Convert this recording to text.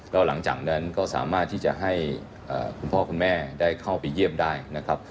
แล้วหลังจากนั้นก็สามารถที่จะให้คุณพ่อคุณแม่ได้เข้าไปเยี่ยมได้นะครับ